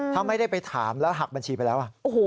ถ้าไปถามแล้วหักบัญชีไปแล้ว